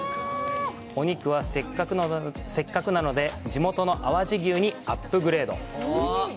お肉は、せっかくなので、地元の淡路牛にアップグレード。